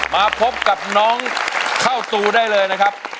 มาพบกับน้องเข้าตูได้เลยนะครับ